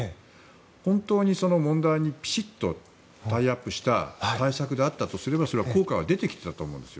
本当にその問題にピシッとタイアップした対策であったとすれば効果は出てきていると思うんです。